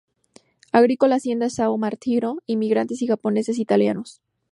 Agrícola Hacienda São Martinho, inmigrantes y japoneses italianos.